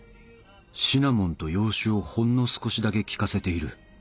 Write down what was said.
シナモンと洋酒をほんの少しだけ効かせている。